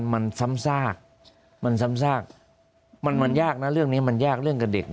มันซ้ำซากมันยากนะเรื่องนี้มันยากเรื่องกับเด็ก